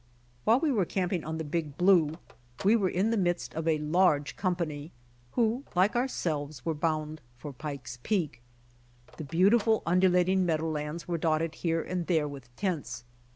Wliile we were camping on the Big Blue, we were in the midst of a large company, who like ourselves, were bound for Pike's Peak. The beautiful undulat ing meadow lands were dotted here and there with tents.